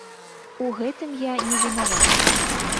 У гэтым я не вінаваты.